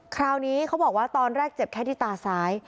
คราวนี้เขาบอกว่าตอนแรกเจ็บแค่ที่ตาซ้าย